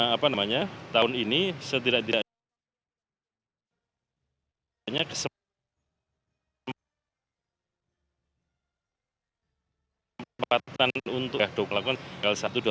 apa namanya tahun ini setidaknya kesempatan untuk melakukan